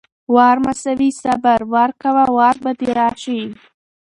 وار=صبر، وار کوه وار به دې راشي!